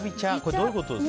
どういうことですか。